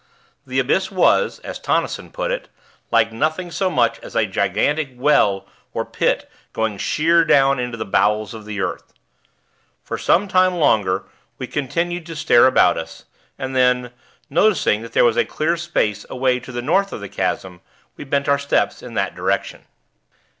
The abyss was, as Tonnison put it, like nothing so much as a gigantic well or pit going sheer down into the bowels of the earth. For some time longer, we continued to stare about us, and then, noticing that there was a clear space away to the north of the chasm, we bent our steps in that direction.